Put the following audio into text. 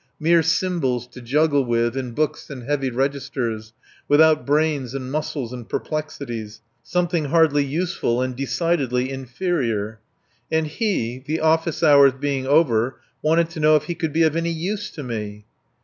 Mere symbols to juggle with in books and heavy registers, without brains and muscles and perplexities; something hardly useful and decidedly inferior. And he the office hours being over wanted to know if he could be of any use to me!